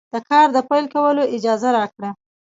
د کار د پیل کولو اجازه راکړه.